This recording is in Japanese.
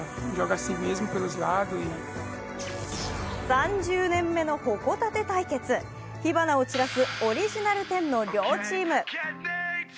３０年目のホコタテ対決、火花を散らすオリジナル１０の両チーム。